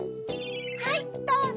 はいどうぞ！